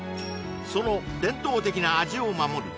その伝統的な味を守る